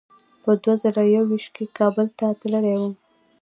په دوه زره یو ویشت کې کابل ته تللی وم.